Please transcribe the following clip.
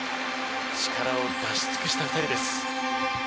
力を出し尽くした２人です。